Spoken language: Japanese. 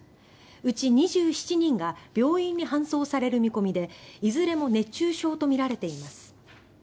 うち２７人が病院に搬送される見込みでいずれも熱中症とみられています。